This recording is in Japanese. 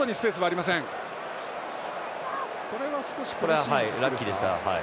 これはラッキーでした。